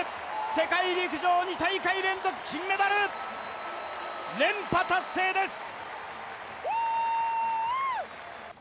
世界陸上２大会連続金メダル、連覇達成です。